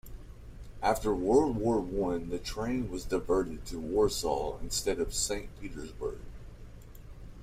After World War One the train was diverted to Warsaw instead to Saint Petersburg.